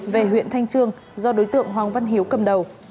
về huyện thanh trương do đối tượng hoàng văn hiếu cầm đầu